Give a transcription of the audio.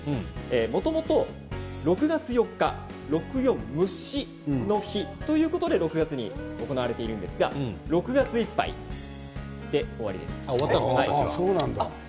もともと６月４日むしの日ということで６月に行われているんですが６月いっぱいで終わりです。